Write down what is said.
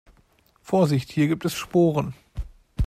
Vorsicht, hier gibt es Sporen.